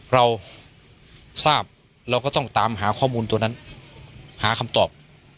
เราทราบเราก็ต้องตามหาข้อมูลตัวนั้นหาคำตอบ